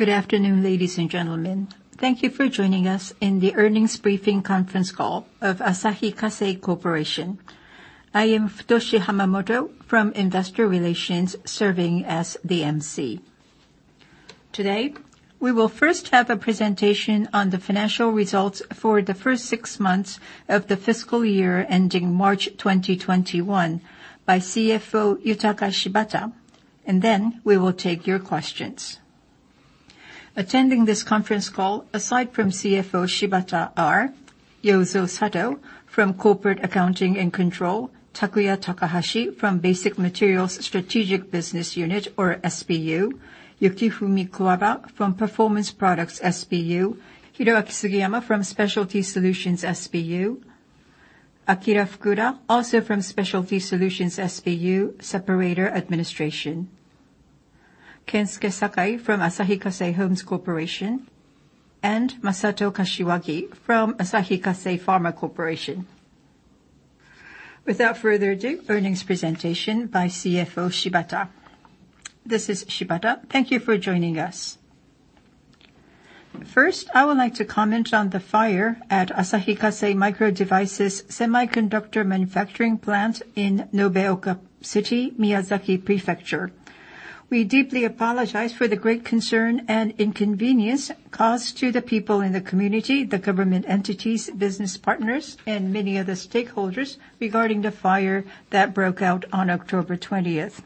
Good afternoon, ladies and gentlemen. Thank you for joining us in the earnings briefing conference call of Asahi Kasei Corporation. I am Futoshi Hamamoto from Investor Relations, serving as the emcee. Today, we will first have a presentation on the financial results for the first six months of the fiscal year ending March 2021 by CFO Yutaka Shibata, and then we will take your questions. Attending this conference call, aside from CFO Shibata, are Yozo Sato from Corporate Accounting and Control, Takuya Takahashi from Basic Materials SBU, Yukifumi Kuwaba from Performance Products SBU, Hiroaki Sugiyama from Specialty Solutions SBU, Akira Fukuda, also from Specialty Solutions SBU, Separator Administration, Kensuke Sakai from Asahi Kasei Homes Corporation, and Masato Kashiwagi from Asahi Kasei Pharma Corporation. Without further ado, earnings presentation by CFO Shibata. This is Shibata. Thank you for joining us. First, I would like to comment on the fire at Asahi Kasei Microdevices semiconductor manufacturing plant in Nobeoka City, Miyazaki Prefecture. We deeply apologize for the great concern and inconvenience caused to the people in the community, the government entities, business partners, and many other stakeholders regarding the fire that broke out on October 20th.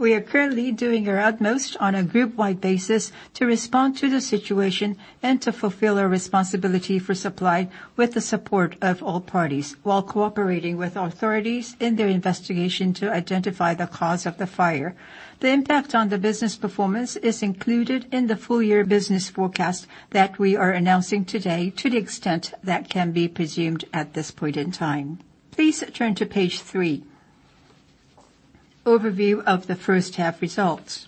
We are currently doing our utmost on a group-wide basis to respond to the situation and to fulfill our responsibility for supply with the support of all parties, while cooperating with authorities in their investigation to identify the cause of the fire. The impact on the business performance is included in the full year business forecast that we are announcing today, to the extent that can be presumed at this point in time. Please turn to page three, overview of the first half results.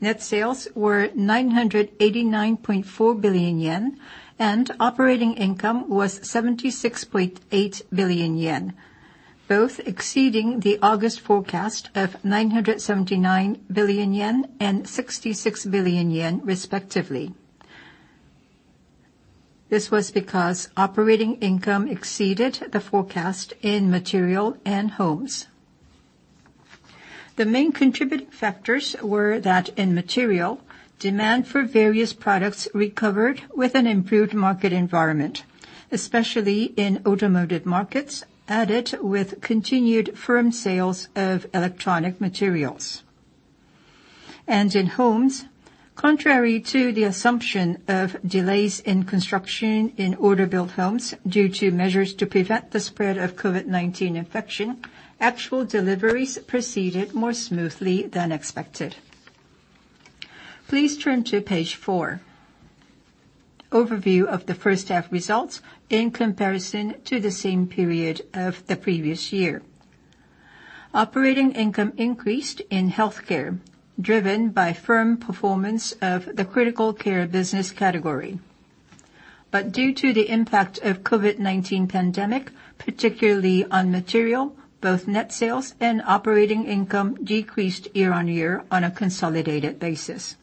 Net sales were 989.4 billion yen. Operating income was 76.8 billion yen, both exceeding the August forecast of 979 billion yen and 66 billion yen, respectively. This was because operating income exceeded the forecast in Materials and Homes. The main contributing factors were that in Materials, demand for various products recovered with an improved market environment, especially in automotive markets, added with continued firm sales of electronic materials. In Homes, contrary to the assumption of delays in construction in order-built homes due to measures to prevent the spread of COVID-19 infection, actual deliveries proceeded more smoothly than expected. Please turn to page four, overview of the first half results in comparison to the same period of the previous year. Operating income increased in Healthcare, driven by firm performance of the critical care business category. Due to the impact of COVID-19 pandemic, particularly on material, both net sales and operating income decreased year-on-year on a consolidated basis.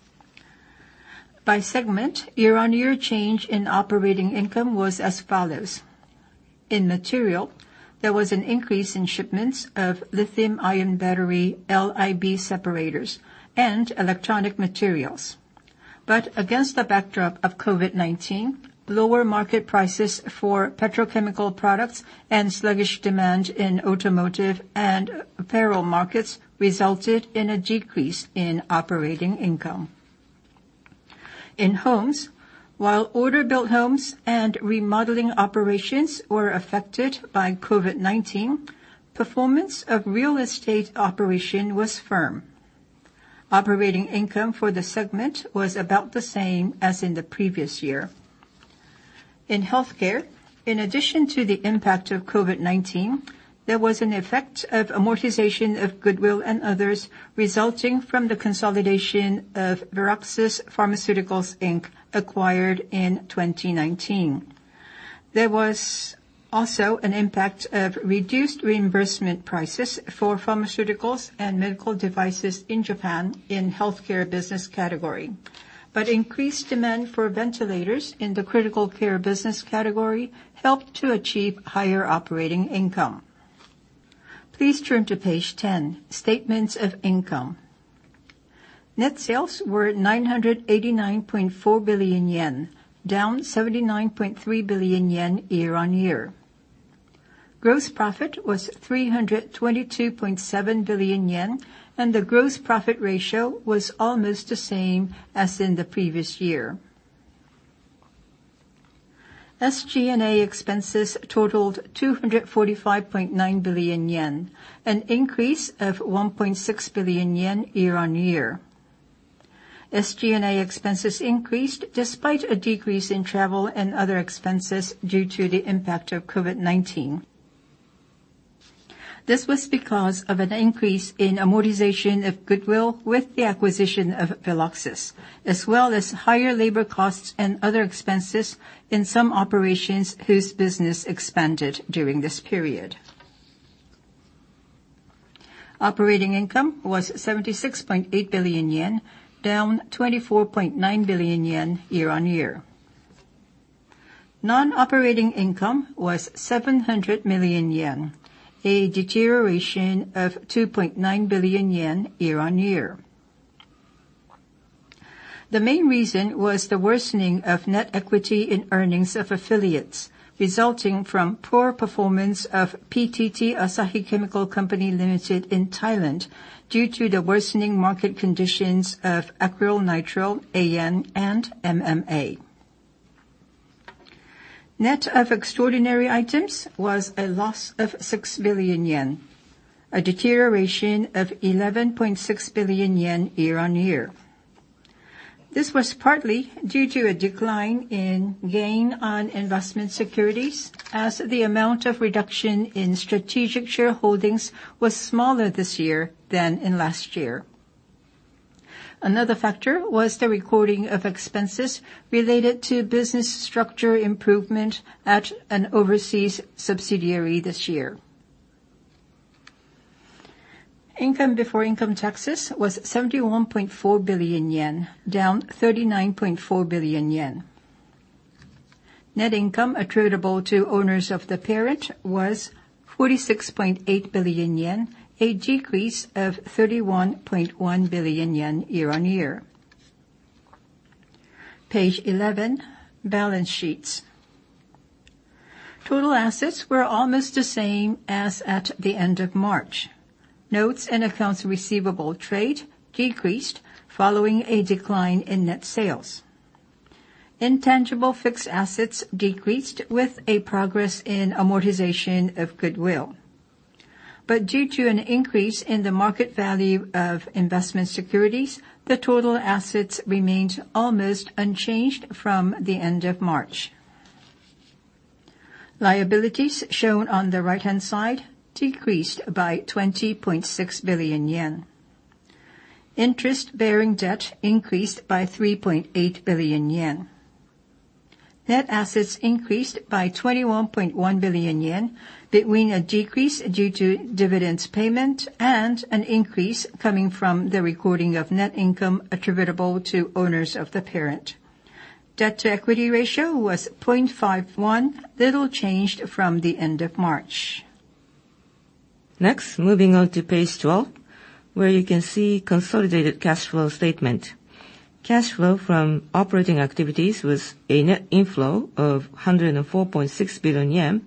By segment, year-on-year change in operating income was as follows. In material, there was an increase in shipments of lithium ion battery, LIB separators, and electronic materials. Against the backdrop of COVID-19, lower market prices for petrochemical products and sluggish demand in automotive and apparel markets resulted in a decrease in operating income. In homes, while order build homes and remodeling operations were affected by COVID-19, performance of real estate operation was firm. Operating income for the segment was about the same as in the previous year. In healthcare, in addition to the impact of COVID-19, there was an effect of amortization of goodwill and others, resulting from the consolidation of Veloxis Pharmaceuticals Inc., acquired in 2019. There was also an impact of reduced reimbursement prices for pharmaceuticals and medical devices in Japan in healthcare business category. Increased demand for ventilators in the critical care business category helped to achieve higher operating income. Please turn to page 10, statements of income. Net sales were 989.4 billion yen, down 79.3 billion yen year-on-year. Gross profit was 322.7 billion yen, and the gross profit ratio was almost the same as in the previous year. SG&A expenses totaled 245.9 billion yen, an increase of 1.6 billion yen year-on-year. SG&A expenses increased despite a decrease in travel and other expenses due to the impact of COVID-19. This was because of an increase in amortization of goodwill with the acquisition of Veloxis, as well as higher labor costs and other expenses in some operations whose business expanded during this period. Operating income was 76.8 billion yen, down 24.9 billion yen year-on-year. Non-operating income was 700 million yen, a deterioration of 2.9 billion yen year-on-year. The main reason was the worsening of net equity in earnings of affiliates, resulting from poor performance of PTT Asahi Chemical Company Limited in Thailand due to the worsening market conditions of acrylonitrile, AN, and MMA. Net of extraordinary items was a loss of 6 billion yen, a deterioration of 11.6 billion yen year-on-year. This was partly due to a decline in gain on investment securities as the amount of reduction in strategic shareholdings was smaller this year than in last year. Another factor was the recording of expenses related to business structure improvement at an overseas subsidiary this year. Income before income taxes was 71.4 billion yen, down 39.4 billion yen. Net income attributable to owners of the parent was 46.8 billion yen, a decrease of 31.1 billion yen year-on-year. Page 11, balance sheets. Total assets were almost the same as at the end of March. Notes and accounts receivable trade decreased following a decline in net sales. Intangible fixed assets decreased with a progress in amortization of goodwill. Due to an increase in the market value of investment securities, the total assets remained almost unchanged from the end of March. Liabilities shown on the right-hand side decreased by 20.6 billion yen. Interest-bearing debt increased by 3.8 billion yen. Net assets increased by 21.1 billion yen between a decrease due to dividends payment and an increase coming from the recording of net income attributable to owners of the parent. Debt-to-equity ratio was 0.51, little changed from the end of March. Next, moving on to page 12, where you can see consolidated cash flow statement. Cash flow from operating activities was a net inflow of 104.6 billion yen,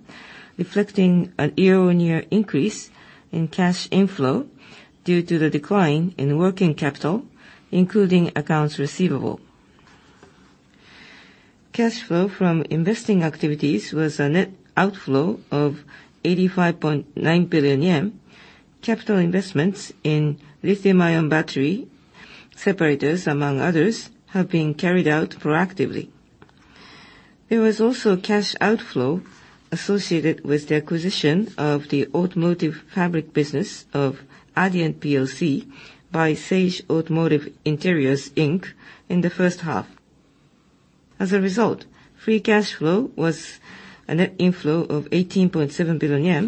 reflecting a year-on-year increase in cash inflow due to the decline in working capital, including accounts receivable. Cash flow from investing activities was a net outflow of 85.9 billion yen. Capital investments in lithium-ion battery separators, among others, have been carried out proactively. There was also cash outflow associated with the acquisition of the automotive fabric business of Adient plc by Sage Automotive Interiors, Inc. in the first half. As a result, free cash flow was a net inflow of 18.7 billion yen.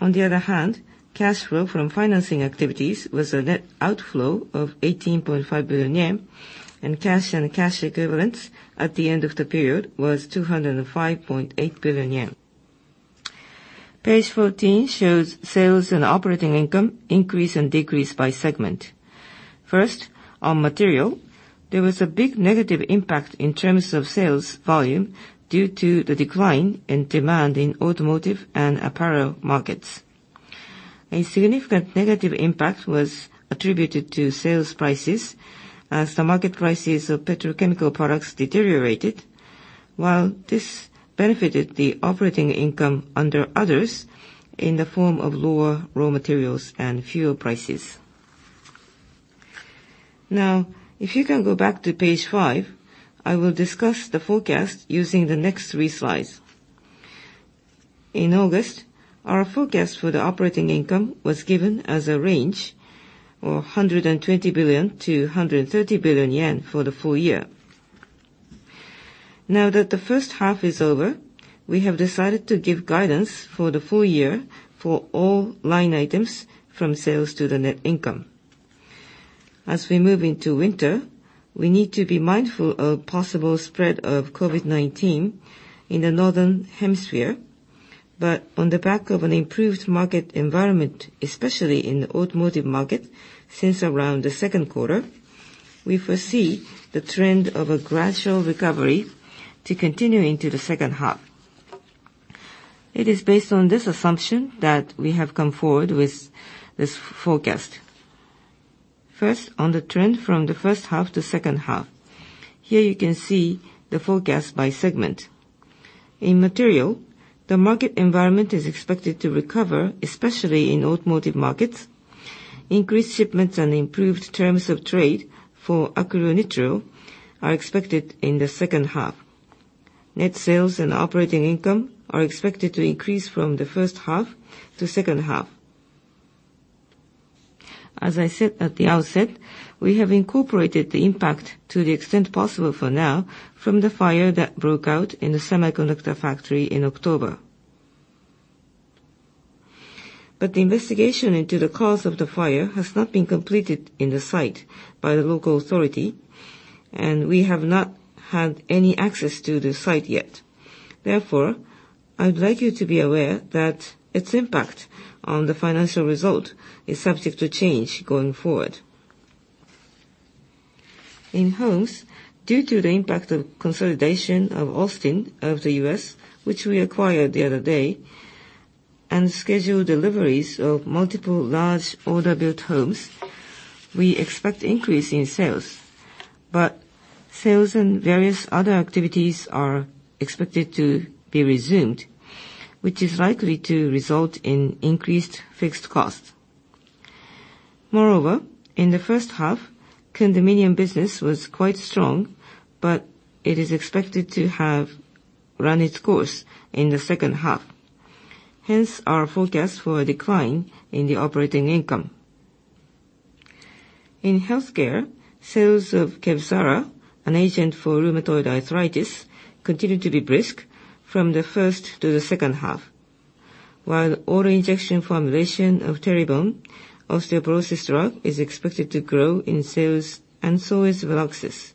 On the other hand, cash flow from financing activities was a net outflow of 18.5 billion yen, and cash and cash equivalents at the end of the period was 205.8 billion yen. Page 14 shows sales and operating income increase and decrease by segment. First, on material, there was a big negative impact in terms of sales volume due to the decline in demand in automotive and apparel markets. A significant negative impact was attributed to sales prices as the market prices of petrochemical products deteriorated, while this benefited the operating income under others in the form of lower raw materials and fuel prices. Now, if you can go back to page five, I will discuss the forecast using the next three slides. In August, our forecast for the operating income was given as a range of 120 billion to 130 billion yen for the full year. Now that the first half is over, we have decided to give guidance for the full year for all line items from sales to the net income. As we move into winter, we need to be mindful of possible spread of COVID-19 in the northern hemisphere. On the back of an improved market environment, especially in the automotive market since around the second quarter, we foresee the trend of a gradual recovery to continue into the second half. It is based on this assumption that we have come forward with this forecast. First, on the trend from the first half to second half. Here you can see the forecast by segment. In Materials, the market environment is expected to recover, especially in automotive markets. Increased shipments and improved terms of trade for acrylonitrile are expected in the second half. Net sales and operating income are expected to increase from the first half to second half. As I said at the outset, we have incorporated the impact to the extent possible for now from the fire that broke out in the semiconductor factory in October. The investigation into the cause of the fire has not been completed in the site by the local authority, and we have not had any access to the site yet. I would like you to be aware that its impact on the financial result is subject to change going forward. In Homes, due to the impact of consolidation of Austin of the U.S., which we acquired the other day, and scheduled deliveries of multiple large order build homes, we expect increase in sales. Sales and various other activities are expected to be resumed, which is likely to result in increased fixed costs. In the first half, condominium business was quite strong, but it is expected to have run its course in the second half. Our forecast for a decline in the operating income. In healthcare, sales of KEVZARA, an agent for rheumatoid arthritis, continued to be brisk from the first to the second half. Oral auto-injector formulation of Teribone osteoporosis drug is expected to grow in sales, and so is Veloxis.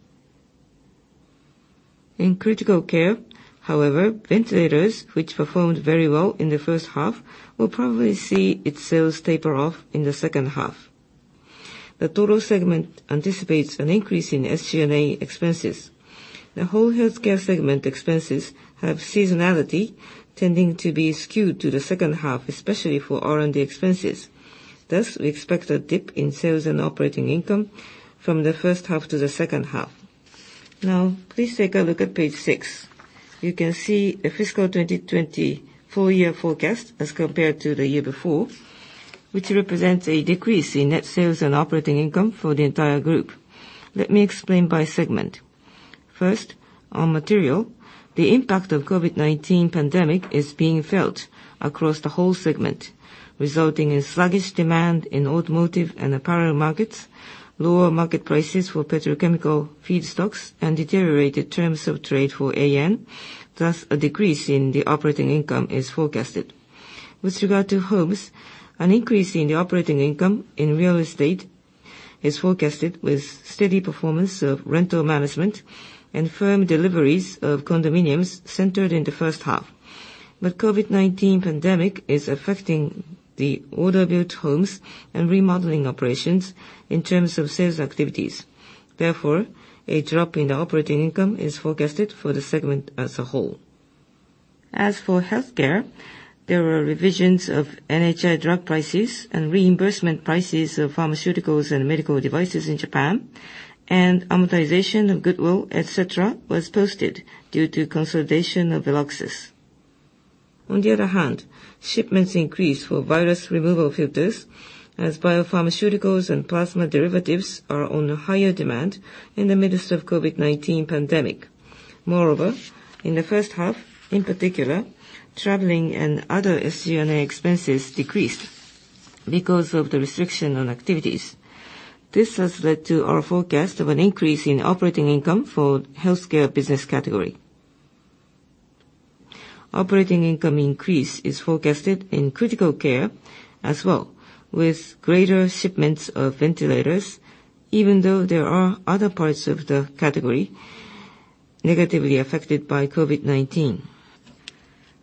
In critical care, however, ventilators, which performed very well in the first half, will probably see its sales taper off in the second half. The total segment anticipates an increase in SG&A expenses. The whole healthcare segment expenses have seasonality, tending to be skewed to the second half, especially for R&D expenses. We expect a dip in sales and operating income from the first half to the second half. Please take a look at page six. You can see the fiscal 2024 year forecast as compared to the year before, which represents a decrease in net sales and operating income for the entire group. Let me explain by segment. First, on material, the impact of COVID-19 pandemic is being felt across the whole segment, resulting in sluggish demand in automotive and apparel markets, lower market prices for petrochemical feedstocks, and deteriorated terms of trade for AN, thus, a decrease in the operating income is forecasted. With regard to homes, an increase in the operating income in real estate is forecasted, with steady performance of rental management and firm deliveries of condominiums centered in the first half. The COVID-19 pandemic is affecting the order build homes and remodeling operations in terms of sales activities. Therefore, a drop in the operating income is forecasted for the segment as a whole. As for healthcare, there were revisions of NHI drug prices and reimbursement prices of pharmaceuticals and medical devices in Japan, and amortization of goodwill, et cetera, was posted due to consolidation of Veloxis. On the other hand, shipments increased for virus removal filters as biopharmaceuticals and plasma derivatives are on higher demand in the midst of COVID-19 pandemic. Moreover, in the first half, in particular, traveling and other SG&A expenses decreased because of the restriction on activities. This has led to our forecast of an increase in operating income for healthcare business category. Operating income increase is forecasted in critical care as well, with greater shipments of ventilators, even though there are other parts of the category negatively affected by COVID-19.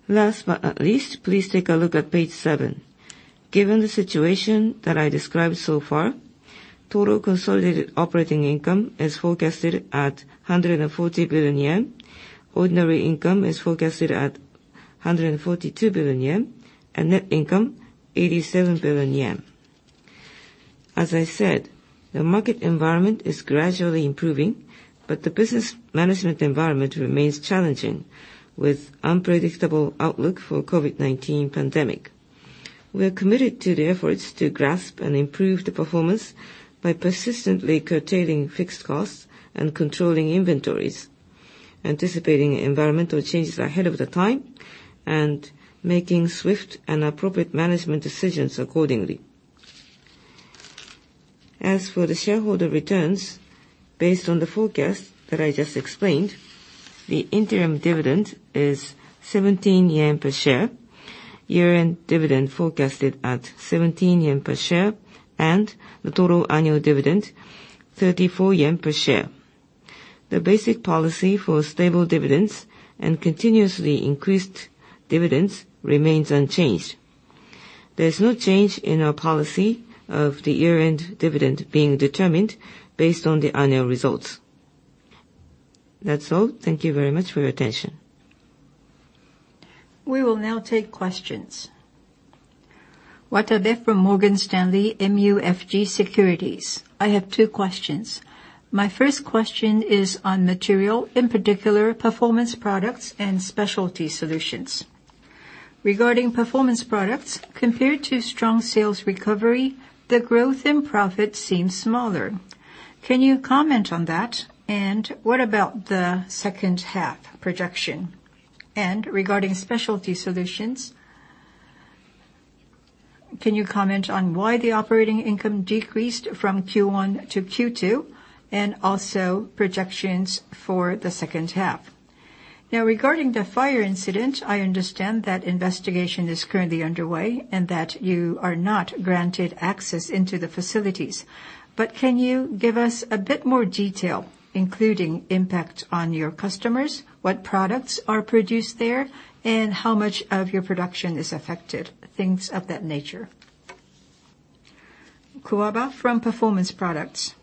Last but not least, please take a look at page seven. Given the situation that I described so far, total consolidated operating income is forecasted at 140 billion yen, ordinary income is forecasted at 142 billion yen, and net income 87 billion yen. As I said, the market environment is gradually improving, but the business management environment remains challenging, with unpredictable outlook for COVID-19 pandemic. We are committed to the efforts to grasp and improve the performance by persistently curtailing fixed costs and controlling inventories, anticipating environmental changes ahead of the time, and making swift and appropriate management decisions accordingly. As for the shareholder returns, based on the forecast that I just explained, the interim dividend is 17 yen per share, year-end dividend forecasted at 17 yen per share, and the total annual dividend 34 yen per share. The basic policy for stable dividends and continuously increased dividends remains unchanged. There is no change in our policy of the year-end dividend being determined based on the annual results. That's all. Thank you very much for your attention. We will now take questions. Watabe from Morgan Stanley, MUFG Securities. I have two questions. My first question is on material, in particular, Performance Products and Specialty Solutions. Regarding Performance Products, compared to strong sales recovery, the growth in profit seems smaller. Can you comment on that? What about the second half projection? Regarding Specialty Solutions, can you comment on why the operating income decreased from Q1 to Q2, and also projections for the second half? Regarding the fire incident, I understand that investigation is currently underway and that you are not granted access into the facilities. Can you give us a bit more detail, including impact on your customers, what products are produced there, and how much of your production is affected, things of that nature. Kuwaba from Performance Products.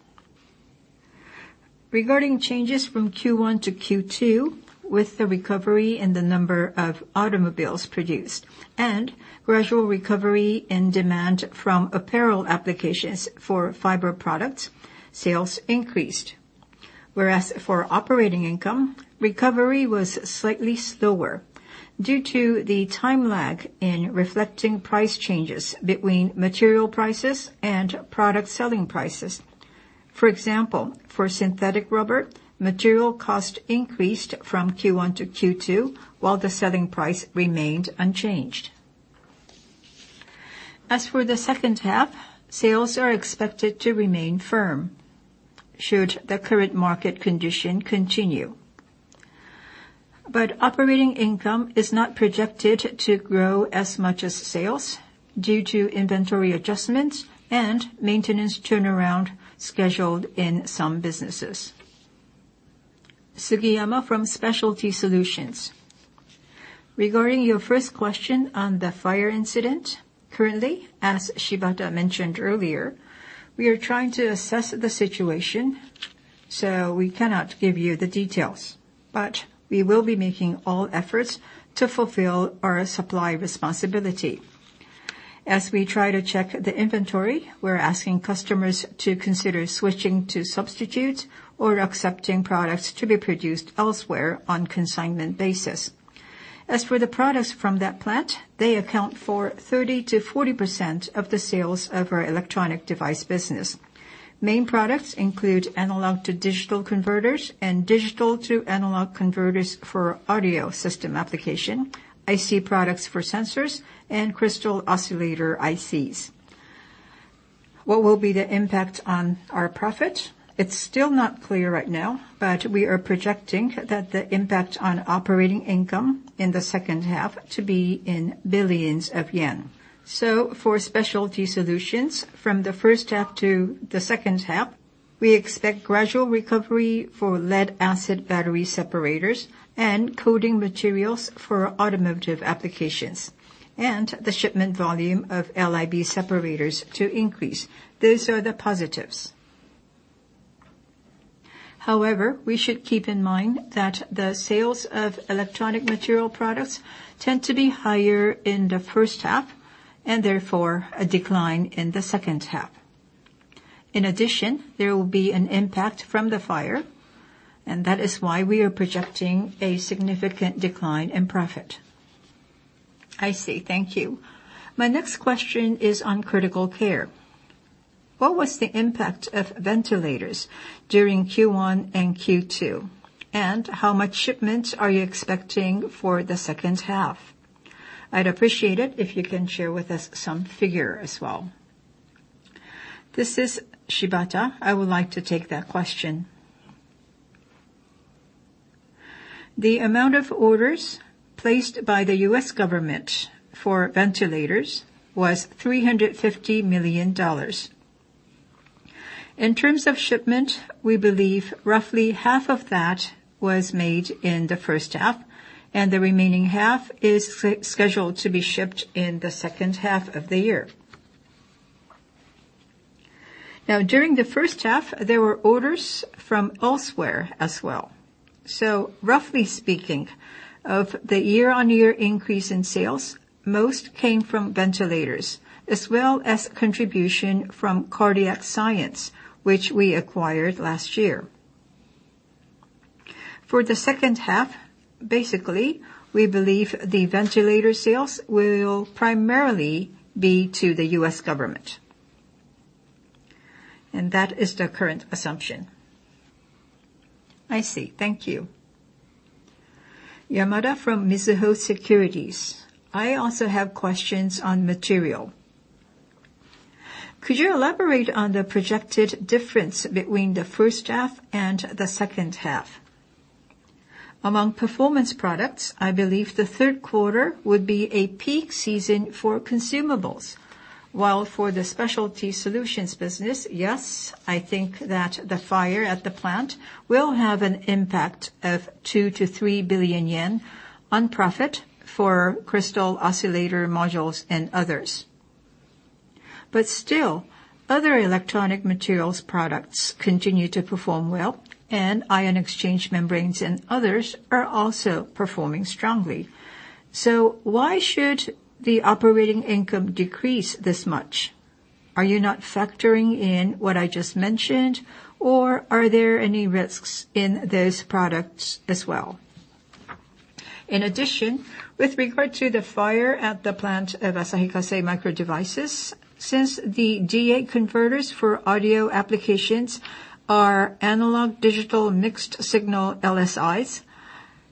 Regarding changes from Q1 to Q2, with the recovery in the number of automobiles produced and gradual recovery in demand from apparel applications for fiber products, sales increased. Whereas for operating income, recovery was slightly slower due to the time lag in reflecting price changes between material prices and product selling prices. For example, for synthetic rubber, material cost increased from Q1 to Q2 while the selling price remained unchanged. As for the second half, sales are expected to remain firm should the current market condition continue. Operating income is not projected to grow as much as sales due to inventory adjustments and maintenance turnaround scheduled in some businesses. Sugiyama from Specialty Solutions. Regarding your first question on the fire incident, currently, as Shibata mentioned earlier, we are trying to assess the situation, so we cannot give you the details. We will be making all efforts to fulfill our supply responsibility. As we try to check the inventory, we're asking customers to consider switching to substitutes or accepting products to be produced elsewhere on consignment basis. As for the products from that plant, they account for 30%-40% of the sales of our electronic device business. Main products include analog-to-digital converters and digital-to-analog converters for audio system application, IC products for sensors, and crystal oscillator ICs. What will be the impact on our profit? It's still not clear right now, we are projecting that the impact on operating income in the second half to be in billions of JPY. For specialty solutions, from the first half to the second half, we expect gradual recovery for lead-acid battery separators and coating materials for automotive applications, and the shipment volume of LIB separators to increase. Those are the positives. We should keep in mind that the sales of electronic material products tend to be higher in the first half, and therefore, a decline in the second half. In addition, there will be an impact from the fire, and that is why we are projecting a significant decline in profit. I see. Thank you. My next question is on critical care. What was the impact of ventilators during Q1 and Q2, and how much shipments are you expecting for the second half? I'd appreciate it if you can share with us some figure as well. This is Shibata. I would like to take that question. The amount of orders placed by the U.S. government for ventilators was $350 million. In terms of shipment, we believe roughly half of that was made in the first half, and the remaining half is scheduled to be shipped in the second half of the year. During the first half, there were orders from elsewhere as well. Roughly speaking, of the year-on-year increase in sales, most came from ventilators, as well as contribution from Cardiac Science, which we acquired last year. For the second half, basically, we believe the ventilator sales will primarily be to the U.S. government. That is the current assumption. I see. Thank you. Yamada from Mizuho Securities. I also have questions on material. Could you elaborate on the projected difference between the first half and the second half? Among performance products, I believe the third quarter would be a peak season for consumables. For the Specialty Solutions business, I think that the fire at the plant will have an impact of 2 billion-3 billion yen on profit for crystal oscillator modules and others. Other electronic materials products continue to perform well, and ion exchange membranes and others are also performing strongly. Why should the operating income decrease this much? Are you not factoring in what I just mentioned, or are there any risks in those products as well? In addition, with regard to the fire at the plant of Asahi Kasei Microdevices, since the D/A converters for audio applications are analog digital mixed signal LSIs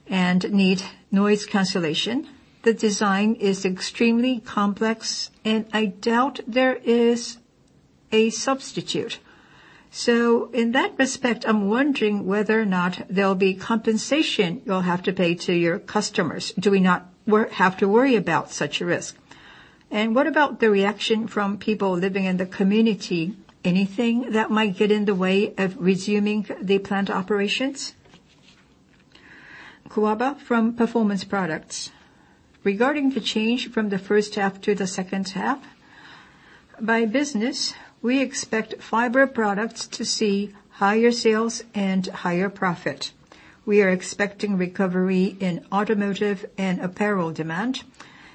and need noise cancellation, the design is extremely complex, and I doubt there is a substitute. In that respect, I'm wondering whether or not there'll be compensation you'll have to pay to your customers. Do we not have to worry about such a risk? What about the reaction from people living in the community? Anything that might get in the way of resuming the plant operations? Kuwaba from Performance Products. Regarding the change from the first half to the second half, by business, we expect fiber products to see higher sales and higher profit. We are expecting recovery in automotive and apparel demand.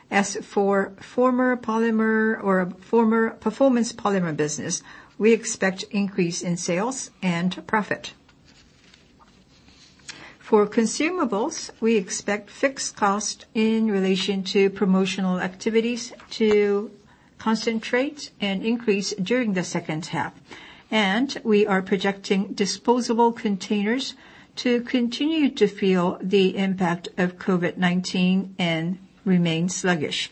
As for former polymer or former Performance Polymers business, we expect increase in sales and profit. For consumables, we expect fixed cost in relation to promotional activities to concentrate and increase during the second half. We are projecting disposable containers to continue to feel the impact of COVID-19 and remain sluggish.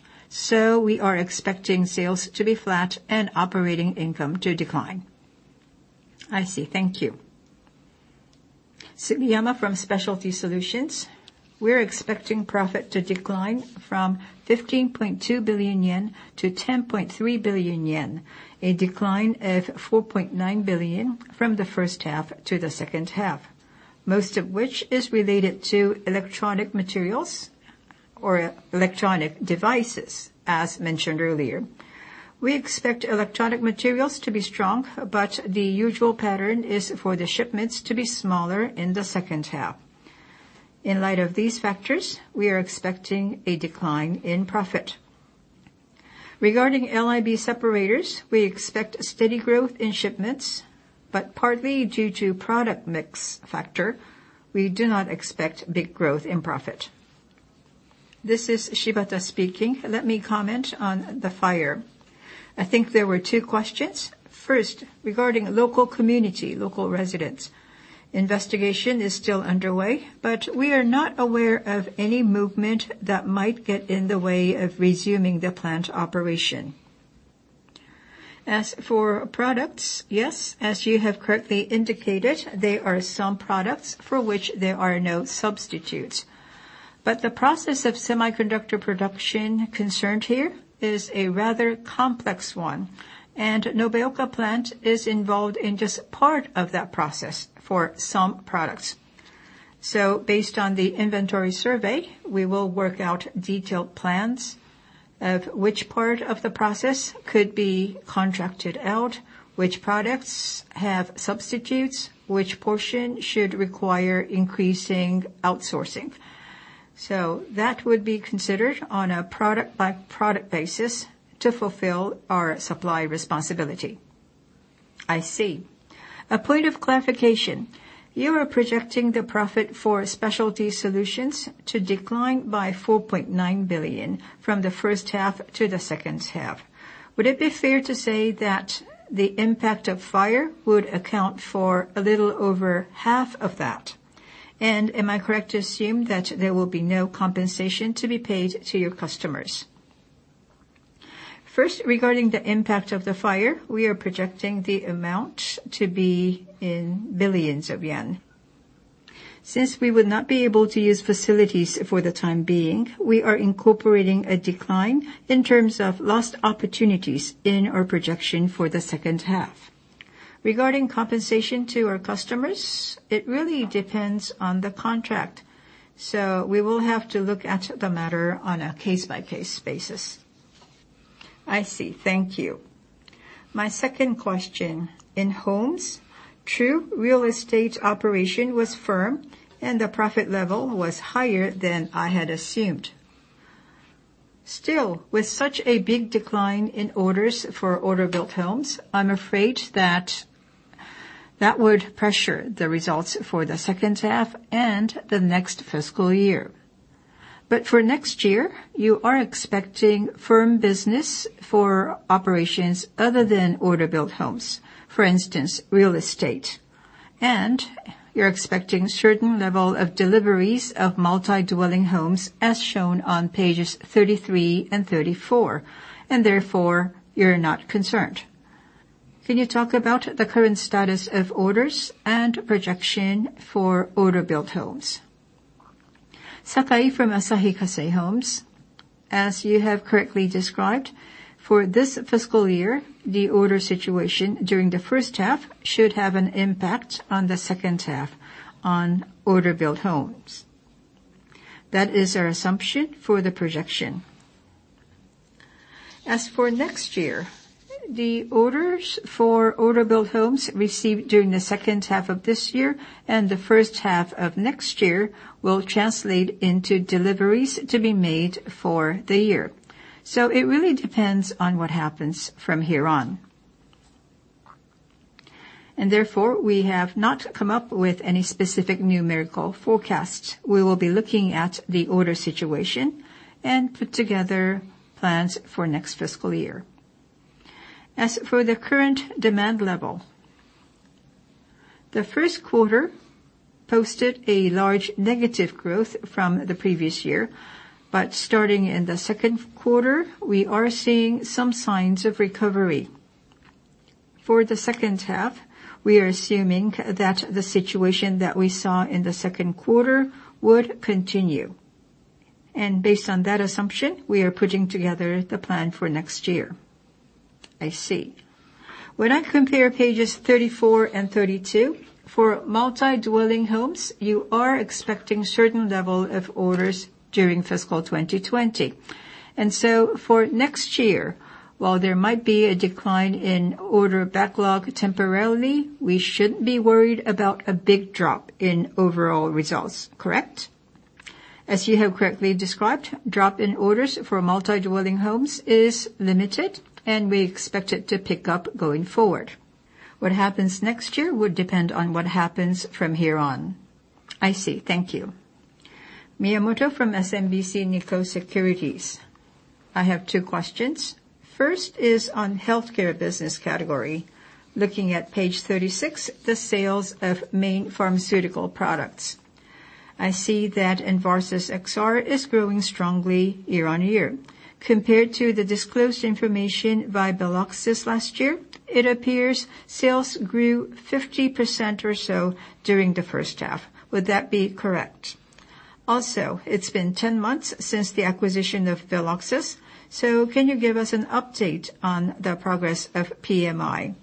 We are expecting sales to be flat and operating income to decline. I see. Thank you. Sugiyama from Specialty Solutions. We're expecting profit to decline from 15.2 billion yen to 10.3 billion yen, a decline of 4.9 billion from the first half to the second half, most of which is related to electronic materials or electronic devices, as mentioned earlier. We expect electronic materials to be strong, but the usual pattern is for the shipments to be smaller in the second half. In light of these factors, we are expecting a decline in profit. Regarding LIB separators, we expect steady growth in shipments, but partly due to product mix factor, we do not expect big growth in profit. This is Shibata speaking. Let me comment on the fire. I think there were two questions. First, regarding local community, local residents. Investigation is still underway, but we are not aware of any movement that might get in the way of resuming the plant operation. As for products, yes, as you have correctly indicated, there are some products for which there are no substitutes. The process of semiconductor production concerned here is a rather complex one, and Nobeoka plant is involved in just part of that process for some products. Based on the inventory survey, we will work out detailed plans of which part of the process could be contracted out, which products have substitutes, which portion should require increasing outsourcing. That would be considered on a product-by-product basis to fulfill our supply responsibility. I see. A point of clarification. You are projecting the profit for Specialty Solutions SBU to decline by 4.9 billion from the first half to the second half. Would it be fair to say that the impact of fire would account for a little over half of that? Am I correct to assume that there will be no compensation to be paid to your customers? First, regarding the impact of the fire, we are projecting the amount to be in billions of JPY. Since we would not be able to use facilities for the time being, we are incorporating a decline in terms of lost opportunities in our projection for the second half. Regarding compensation to our customers, it really depends on the contract. We will have to look at the matter on a case-by-case basis. I see. Thank you. My second question. In Homes, true real estate operation was firm and the profit level was higher than I had assumed. Still, with such a big decline in orders for order-built homes, I'm afraid that would pressure the results for the second half and the next fiscal year. For next year, you are expecting firm business for operations other than order-built homes, for instance, real estate. You're expecting certain level of deliveries of multi-dwelling homes as shown on pages 33 and 34, therefore, you're not concerned. Can you talk about the current status of orders and projection for order-built homes? Sakai from Asahi Kasei Homes. As you have correctly described, for this fiscal year, the order situation during the first half should have an impact on the second half on order-built homes. That is our assumption for the projection. As for next year, the orders for order-built homes received during the second half of this year and the first half of next year will translate into deliveries to be made for the year. It really depends on what happens from here on. Therefore, we have not come up with any specific numerical forecast. We will be looking at the order situation and put together plans for next fiscal year. As for the current demand level, the first quarter posted a large negative growth from the previous year. Starting in the second quarter, we are seeing some signs of recovery. For the second half, we are assuming that the situation that we saw in the second quarter would continue. Based on that assumption, we are putting together the plan for next year. I see. When I compare pages 34 and 32, for multi-dwelling homes, you are expecting certain level of orders during fiscal 2020. For next year, while there might be a decline in order backlog temporarily, we shouldn't be worried about a big drop in overall results, correct? As you have correctly described, drop in orders for multi-dwelling homes is limited, and we expect it to pick up going forward. What happens next year would depend on what happens from here on. I see. Thank you. Miyamoto from SMBC Nikko Securities. I have two questions. First is on healthcare business category. Looking at page 36, the sales of main pharmaceutical products. I see that ENVARSUS XR is growing strongly year-on-year. Compared to the disclosed information by Veloxis last year, it appears sales grew 50% or so during the first half. Would that be correct? Also, it has been 10 months since the acquisition of Veloxis, so can you give us an update on the progress of PMI?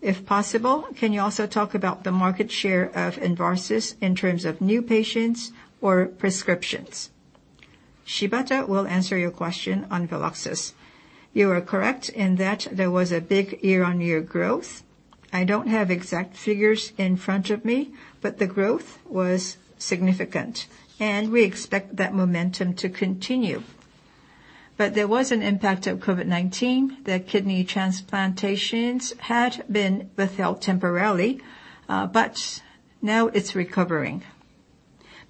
If possible, can you also talk about the market share of Envarsus in terms of new patients or prescriptions? Shibata will answer your question on Veloxis. You are correct in that there was a big year-on-year growth. I don't have exact figures in front of me, the growth was significant. We expect that momentum to continue. There was an impact of COVID-19. The kidney transplantations had been withheld temporarily, but now it's recovering.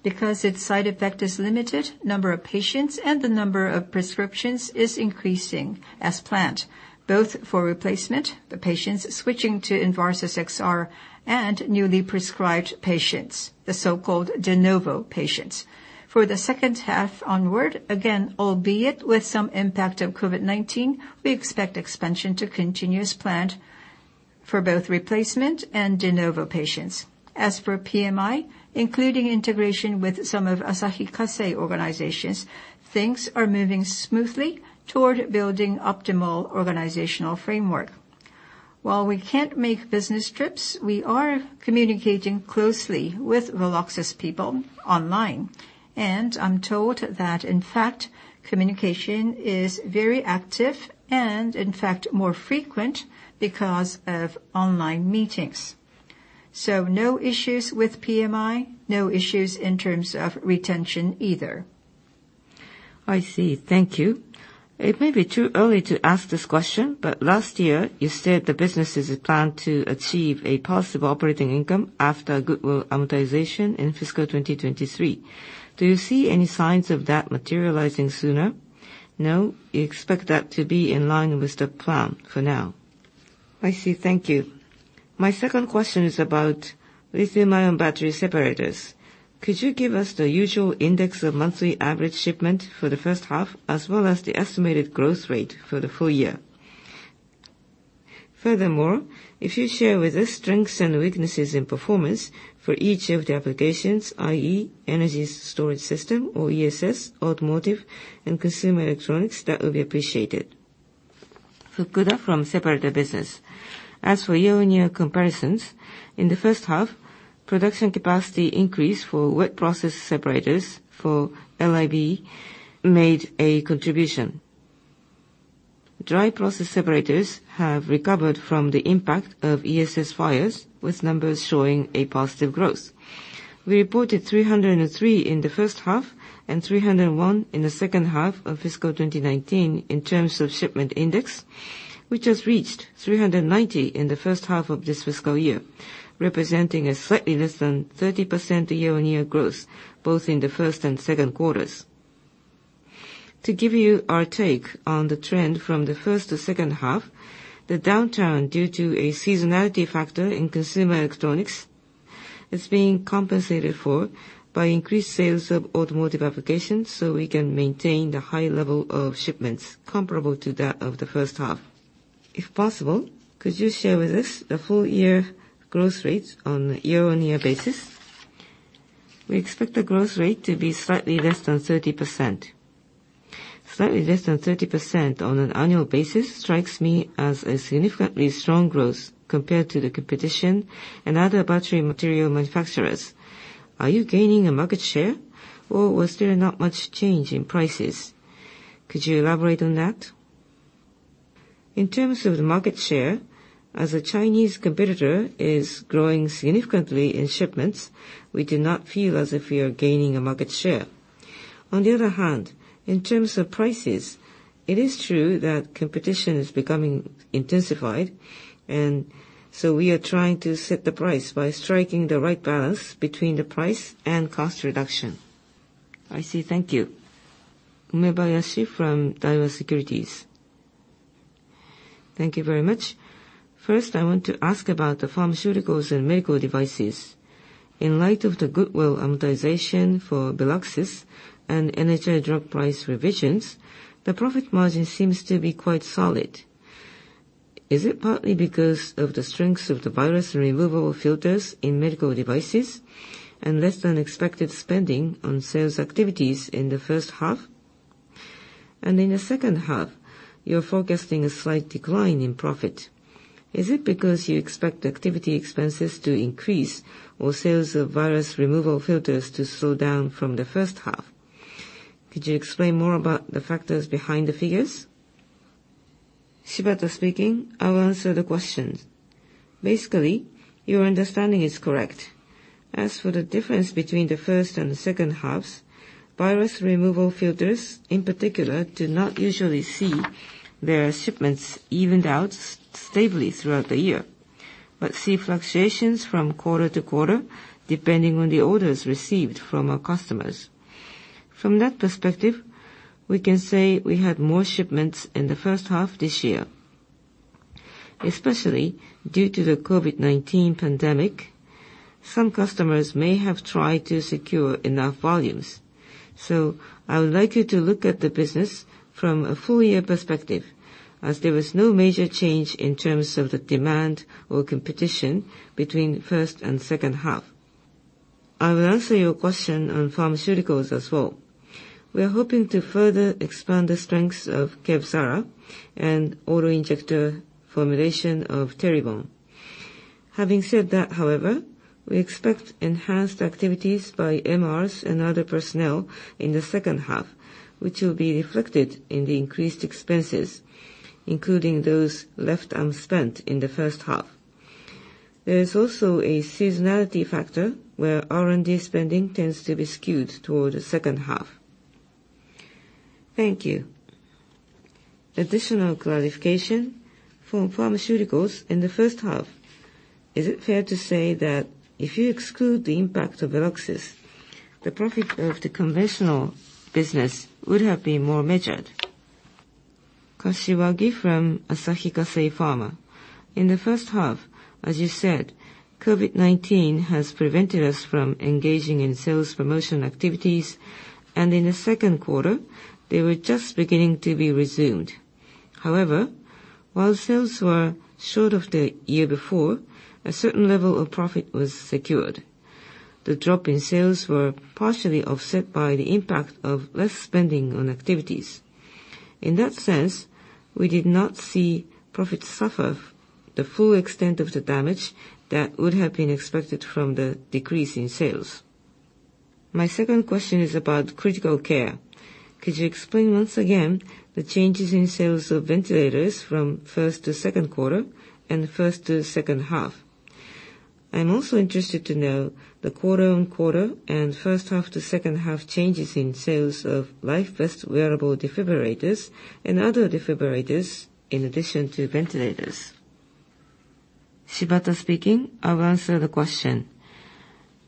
Because its side effect is limited, number of patients and the number of prescriptions is increasing as planned, both for replacement, the patients switching to ENVARSUS XR, and newly prescribed patients, the so-called de novo patients. For the second half onward, again, albeit with some impact of COVID-19, we expect expansion to continue as planned for both replacement and de novo patients. As for PMI, including integration with some of Asahi Kasei organizations, things are moving smoothly toward building optimal organizational framework. While we can't make business trips, we are communicating closely with Veloxis people online. I'm told that, in fact, communication is very active and, in fact, more frequent because of online meetings. No issues with PMI. No issues in terms of retention either. I see. Thank you. It may be too early to ask this question, but last year, you said the business is planned to achieve a positive operating income after goodwill amortization in fiscal 2023. Do you see any signs of that materializing sooner? No. We expect that to be in line with the plan for now. I see. Thank you. My second question is about lithium-ion battery separators. Could you give us the usual index of monthly average shipment for the first half as well as the estimated growth rate for the full year? Furthermore, if you share with us strengths and weaknesses in performance for each of the applications, i.e., energy storage system or ESS, automotive, and consumer electronics, that would be appreciated. Fukuda from separator business. As for year-on-year comparisons, in the first half, production capacity increase for wet process separators for LIB made a contribution. Dry process separators have recovered from the impact of ESS fires, with numbers showing a positive growth. We reported 303 in the first half and 301 in the second half of fiscal 2019 in terms of shipment index, which has reached 390 in the first half of this fiscal year, representing a slightly less than 30% year-on-year growth, both in the first and second quarters. To give you our take on the trend from the first to second half, the downturn due to a seasonality factor in consumer electronics is being compensated for by increased sales of automotive applications, so we can maintain the high level of shipments comparable to that of the first half. If possible, could you share with us the full year growth rates on a year-on-year basis? We expect the growth rate to be slightly less than 30%. Slightly less than 30% on an annual basis strikes me as a significantly strong growth compared to the competition and other battery material manufacturers. Are you gaining a market share, or was there not much change in prices? Could you elaborate on that? In terms of the market share, as a Chinese competitor is growing significantly in shipments, we do not feel as if we are gaining a market share. On the other hand, in terms of prices, it is true that competition is becoming intensified, so we are trying to set the price by striking the right balance between the price and cost reduction. I see. Thank you. Umebayashi from Daiwa Securities. Thank you very much. First, I want to ask about the pharmaceuticals and medical devices. In light of the goodwill amortization for Veloxis and NHI drug price revisions, the profit margin seems to be quite solid. Is it partly because of the strengths of the virus removal filters in medical devices and less than expected spending on sales activities in the first half? In the second half, you're forecasting a slight decline in profit. Is it because you expect activity expenses to increase or sales of virus removal filters to slow down from the first half? Could you explain more about the factors behind the figures? Shibata speaking. I'll answer the question. Basically, your understanding is correct. As for the difference between the first and second halves, virus removal filters, in particular, do not usually see their shipments evened out stably throughout the year, but see fluctuations from quarter to quarter depending on the orders received from our customers. From that perspective, we can say we had more shipments in the first half this year. Especially due to the COVID-19 pandemic, some customers may have tried to secure enough volumes. I would like you to look at the business from a full year perspective as there was no major change in terms of the demand or competition between the first and second half. I will answer your question on pharmaceuticals as well. We are hoping to further expand the strengths of KEVZARA and auto-injector formulation of Teribone. Having said that, however, we expect enhanced activities by MRs and other personnel in the second half, which will be reflected in the increased expenses, including those left unspent in the first half. There is also a seasonality factor where R&D spending tends to be skewed toward the second half. Thank you. Additional clarification from pharmaceuticals in the first half. Is it fair to say that if you exclude the impact of Veloxis, the profit of the conventional business would have been more measured? Kashiwagi from Asahi Kasei Pharma. In the first half, as you said, COVID-19 has prevented us from engaging in sales promotion activities, and in the second quarter, they were just beginning to be resumed. However, while sales were short of the year before, a certain level of profit was secured. The drop in sales were partially offset by the impact of less spending on activities. In that sense, we did not see profits suffer the full extent of the damage that would have been expected from the decrease in sales. My second question is about critical care. Could you explain once again the changes in sales of ventilators from first to second quarter and first to second half? I'm also interested to know the quarter-on-quarter and first half-to-second half changes in sales of LifeVest wearable defibrillators and other defibrillators in addition to ventilators. Shibata speaking. I'll answer the question.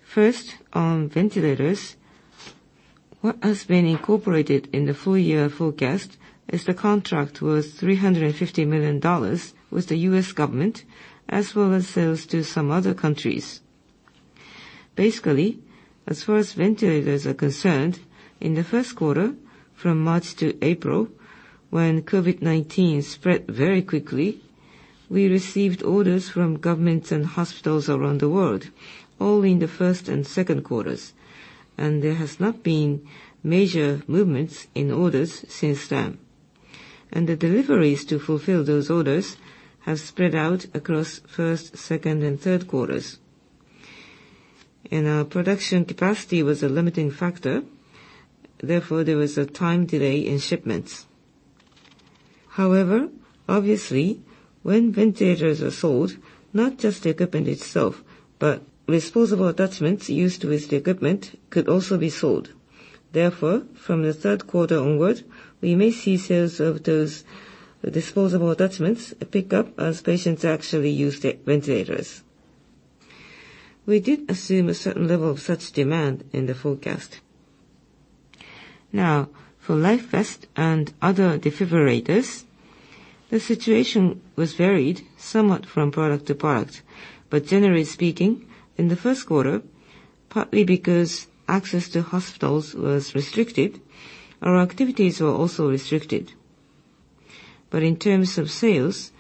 First, on ventilators, what has been incorporated in the full year forecast is the contract worth $350 million with the U.S. government, as well as sales to some other countries. Basically, as far as ventilators are concerned, in the first quarter, from March to April, when COVID-19 spread very quickly, we received orders from governments and hospitals around the world, all in the first and second quarters. There has not been major movements in orders since then. The deliveries to fulfill those orders have spread out across first, second, and third quarters. Our production capacity was a limiting factor, therefore, there was a time delay in shipments. However, obviously, when ventilators are sold, not just the equipment itself, but disposable attachments used with the equipment could also be sold. Therefore, from the third quarter onward, we may see sales of those disposable attachments pick up as patients actually use the ventilators. We did assume a certain level of such demand in the forecast. For LifeVest and other defibrillators, the situation was varied somewhat from product to product. Generally speaking, in the first quarter, partly because access to hospitals was restricted, our activities were also restricted. In terms of sales,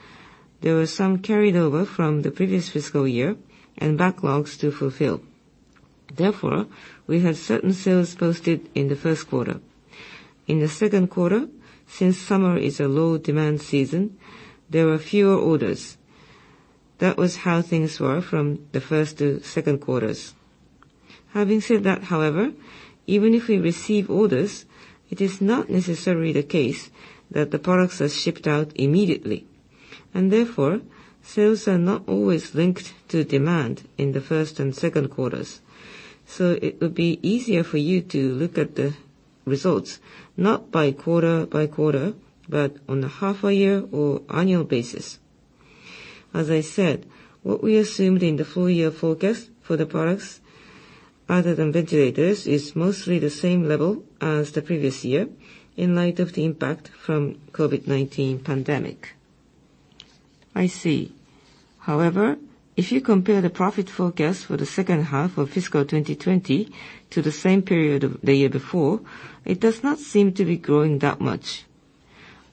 there was some carried over from the previous fiscal year and backlogs to fulfill. We had certain sales posted in the first quarter. In the second quarter, since summer is a low-demand season, there were fewer orders. That was how things were from the first to second quarters. Having said that, however, even if we receive orders, it is not necessarily the case that the products are shipped out immediately. Sales are not always linked to demand in the first and second quarters. It would be easier for you to look at the results not by quarter by quarter, but on a half a year or annual basis. As I said, what we assumed in the full year forecast for the products other than ventilators is mostly the same level as the previous year in light of the impact from COVID-19 pandemic. I see. However, if you compare the profit forecast for the second half of fiscal 2020 to the same period of the year before, it does not seem to be growing that much.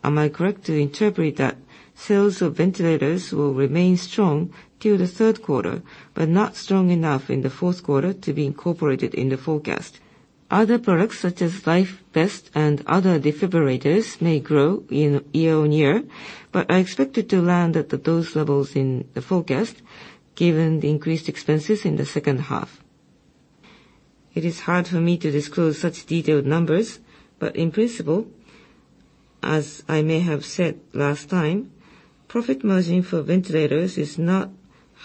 Am I correct to interpret that sales of ventilators will remain strong till the third quarter, but not strong enough in the fourth quarter to be incorporated in the forecast? Other products, such as LifeVest and other defibrillators may grow year-over-year, but are expected to land at those levels in the forecast given the increased expenses in the second half. It is hard for me to disclose such detailed numbers. In principle, as I may have said last time, profit margin for ventilators is not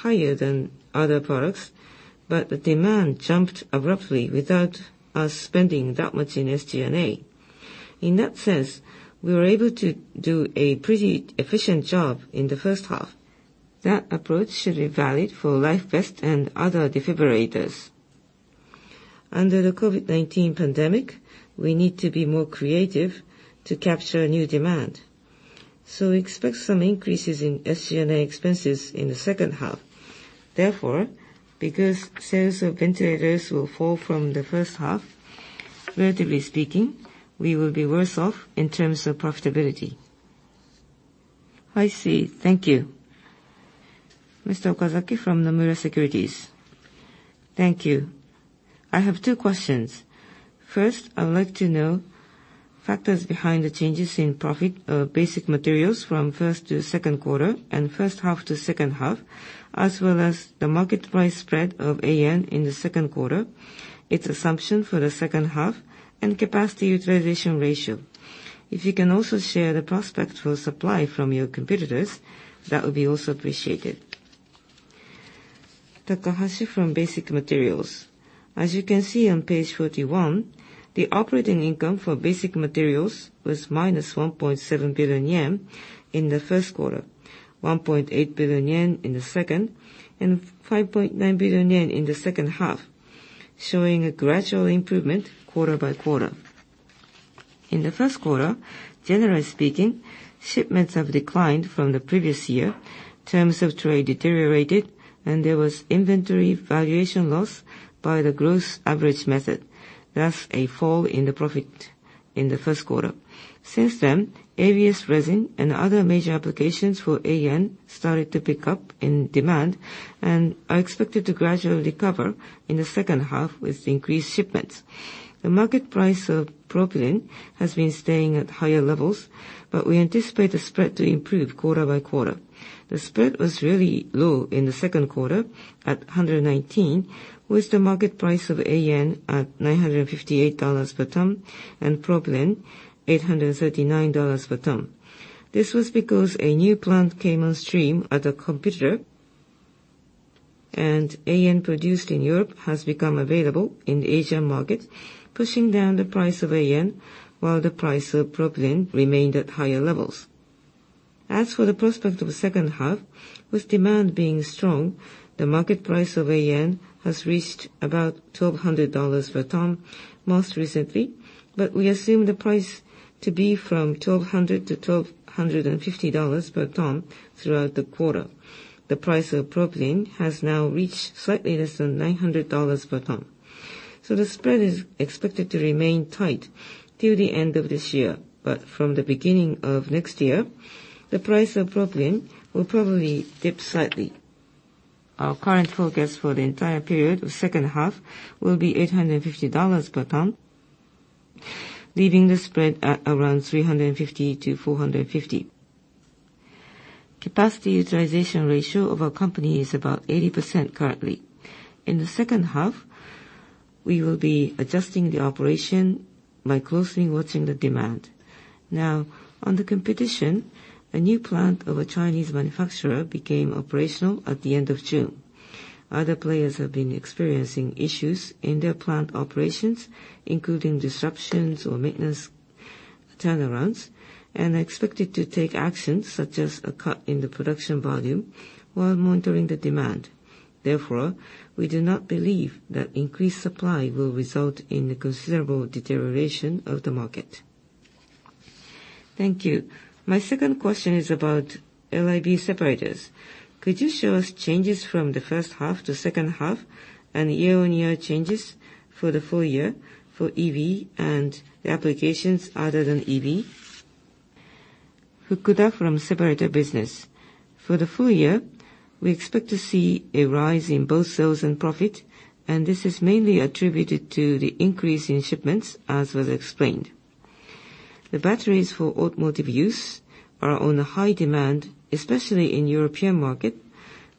higher than other products, but the demand jumped abruptly without us spending that much in SG&A. In that sense, we were able to do a pretty efficient job in the first half. That approach should be valid for LifeVest and other defibrillators. Under the COVID-19 pandemic, we need to be more creative to capture new demand. Expect some increases in SG&A expenses in the second half. Because sales of ventilators will fall from the first half, relatively speaking, we will be worse off in terms of profitability. I see. Thank you. Mr. Okazaki from Nomura Securities. Thank you. I have two questions. First, I would like to know factors behind the changes in profit of Basic Materials from first to second quarter and first half to second half, as well as the market price spread of AN in the second quarter, its assumption for the second half, and capacity utilization ratio. If you can also share the prospect for supply from your competitors, that would be also appreciated. Takahashi from Basic Materials. As you can see on page 41, the operating income for Basic Materials was minus 1.7 billion yen in the first quarter, 1.8 billion yen in the second, and 5.9 billion yen in the second half, showing a gradual improvement quarter by quarter. In the first quarter, generally speaking, shipments have declined from the previous year, terms of trade deteriorated, and there was inventory valuation loss by the gross average method, thus a fall in the profit in the first quarter. Since then, ABS resin and other major applications for AN started to pick up in demand and are expected to gradually recover in the second half with increased shipments. The market price of propylene has been staying at higher levels, but we anticipate the spread to improve quarter by quarter. The spread was really low in the second quarter at 119, with the market price of AN at $958 per ton and propylene $839 per ton. This was because a new plant came on stream at a competitor, and AN produced in Europe has become available in the Asian market, pushing down the price of AN while the price of propylene remained at higher levels. As for the prospect of the second half, with demand being strong, the market price of AN has reached about $1,200 per ton most recently, but we assume the price to be from $1,200-$1,250 per ton throughout the quarter. The price of propylene has now reached slightly less than $900 per ton. The spread is expected to remain tight until the end of this year. From the beginning of next year, the price of propylene will probably dip slightly. Our current forecast for the entire period of second half will be $850 per ton, leaving the spread at around $350-$450 per ton. Capacity utilization ratio of our company is about 80% currently. In the second half, we will be adjusting the operation by closely watching the demand. Now, on the competition, a new plant of a Chinese manufacturer became operational at the end of June. Other players have been experiencing issues in their plant operations, including disruptions or maintenance turnarounds, and are expected to take actions such as a cut in the production volume while monitoring the demand. Therefore, we do not believe that increased supply will result in a considerable deterioration of the market. Thank you. My second question is about LIB separators. Could you show us changes from the first half to second half and year-over-year changes for the full year for EV and the applications other than EV? Fukuda from Separator Business. For the full year, we expect to see a rise in both sales and profit. This is mainly attributed to the increase in shipments as was explained. The batteries for automotive use are on a high demand, especially in European market,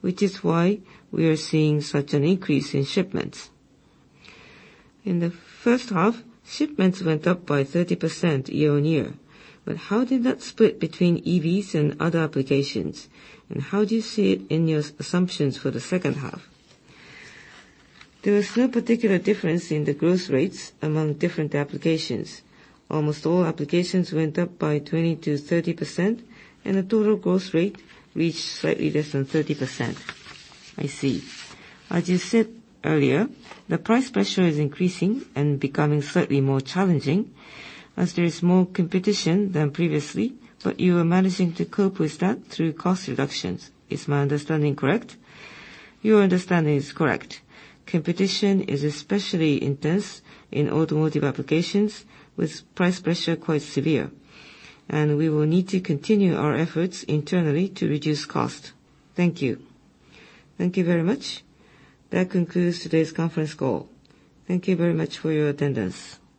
which is why we are seeing such an increase in shipments. In the first half, shipments went up by 30% year-on-year. How did that split between EVs and other applications, and how do you see it in your assumptions for the second half? There was no particular difference in the growth rates among different applications. Almost all applications went up by 20%-30%. The total growth rate reached slightly less than 30%. I see. As you said earlier, the price pressure is increasing and becoming slightly more challenging as there is more competition than previously, but you are managing to cope with that through cost reductions. Is my understanding correct? Your understanding is correct. Competition is especially intense in automotive applications, with price pressure quite severe, and we will need to continue our efforts internally to reduce cost. Thank you. Thank you very much. That concludes today's conference call. Thank you very much for your attendance.